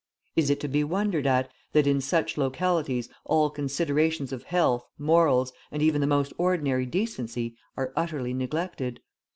Is it to be wondered at, that in such localities all considerations of health, morals, and even the most ordinary decency are utterly neglected?